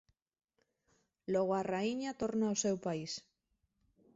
Logo a raíña torna ó seu país.